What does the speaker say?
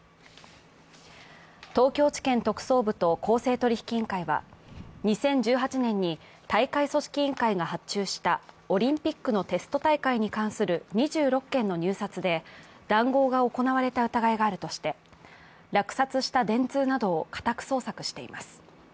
東京地検特捜部と公正取引委員会は２０１８年に大会組織委員会が発注したオリンピックのテスト大会に関する２６件の入札で談合が行われた疑いがあるとして落札した電通などを家宅捜索しています。